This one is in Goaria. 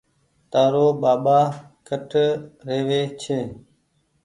تآرو ٻآٻآ ڪٺ رهوي ڇي